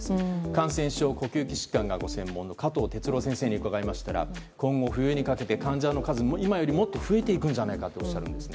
感染症、呼吸器疾患がご専門の加藤哲朗先生に聞きましたら今後、冬にかけて患者の数、今よりもっと増えていくんじゃないかとおっしゃっています。